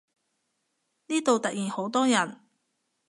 呢度突然好多人